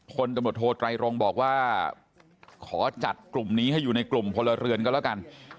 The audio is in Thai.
คนตำรวจโทไตรรงบอกว่าขอจัดกลุ่มนี้ให้อยู่ในกลุ่มพลเรือนก็แล้วกัน